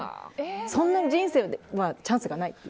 そんなに人生はチャンスがないって。